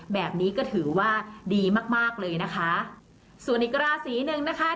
แบบนี้ก็ถือว่าดีมากมากเลยนะคะส่วนอีกราศีหนึ่งนะคะ